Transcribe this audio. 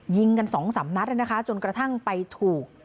ยิงกัน๒๓นัดเลยนะคะจนกระทั่งไปถูก